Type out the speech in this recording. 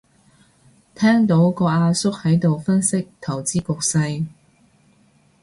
聽到個阿叔喺度分析投資局勢